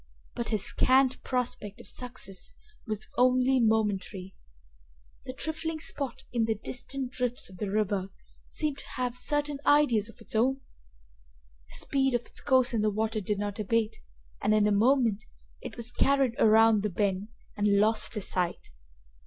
But his scant prospect of success was only momentary. The trifling spot in the distant drifts of the river seemed to have certain ideas of its own. The speed of its course in the water did not abate and, in a moment, it was carried around the bend, and lost to sight.